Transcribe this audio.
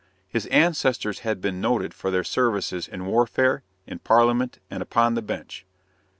His ancestors had been noted for their services in warfare, in Parliament, and upon the bench.